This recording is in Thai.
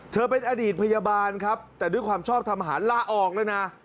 เป็นอดีตพยาบาลครับแต่ด้วยความชอบทำอาหารลาออกแล้วนะ